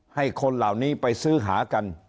คนเหล่านี้ไปซื้อหากัน